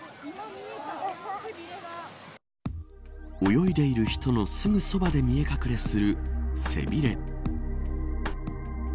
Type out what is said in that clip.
泳いでいる人のすぐそばで見え隠れする背びれ。